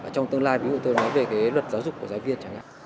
trong tương lai ví dụ tôi nói về luật giáo dục của giáo viên